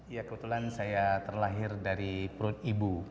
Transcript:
ya kebetulan saya terlahir dari perut ibu